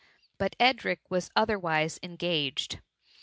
But Edric was otherwise engaged.